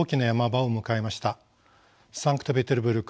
サンクトペテルブルク